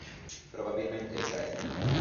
Probabilmente è già estinta.